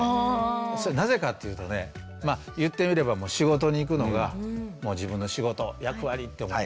それなぜかっていうとね言ってみれば仕事に行くのが自分の仕事役割って思ってる。